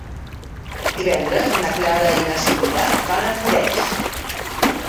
Divendres na Clara i na Sibil·la van a Forès.